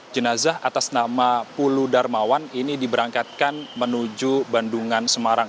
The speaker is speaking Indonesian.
jenazah atas nama pulu darmawan ini diberangkatkan menuju bandungan semarang